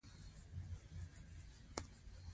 دغو څېړونکو د کوپان رامنځته کېدا او سقوط په نقشه کښلي